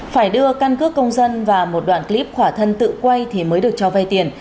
phải đưa căn cước công dân và một đoạn clip khỏa thân tự quay thì mới được cho vay tiền